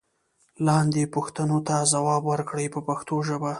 لاندې پوښتنو ته ځواب ورکړئ په پښتو ژبه.